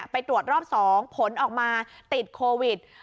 ไปตรวจรอบ๒ผลออกมาติดโควิด